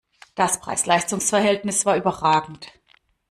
Das Preis-Leistungs-Verhältnis war überragend!